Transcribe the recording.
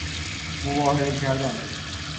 مباهله کردن